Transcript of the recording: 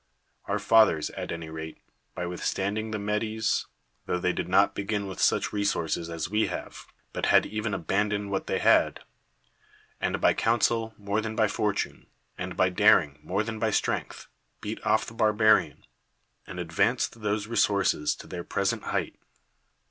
Our fathers, at any rate, by withstanding the jMedes — tho they did not begin with such resources [as we have], but had even abandoned what they had — and by counsel, more than by fortune, and by daring, more than by strength, beat off the barbarian, and advanced those resources to their present height.